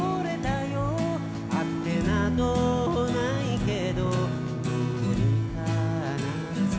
「あてなどないけどどうにかなるさ」